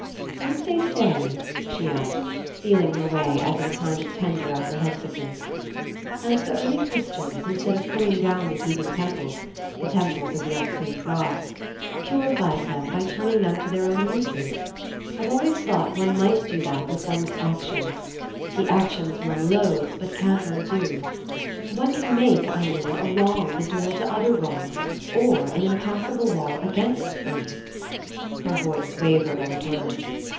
"Don't they say," she asked, feeling her way as in a kind of tender apprehensiveness, "that the early Christians, instead of pulling down the heathen temples the temples of the unclean gods purified them by turning them to their own uses? I've always thought one might do that with one's actions the actions one loathes but can't undo. One can make, I mean, a wrong the door to other wrongs or an impassable wall against them...." Her voice wavered on the word.